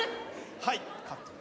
はいカット。